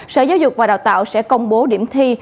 sở giáo dục và đào tạo sẽ công bố điểm thi